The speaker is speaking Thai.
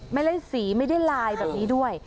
ไม่ได้สีไม่ได้ลายแบบนี้ด้วย